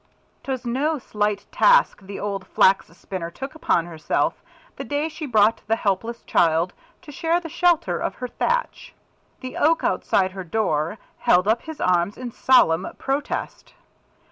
'Twas no slight task the old Flax spinner took upon herself, the day she brought the helpless child to share the shelter of her thatch. The Oak outside her door held up his arms in solemn protest.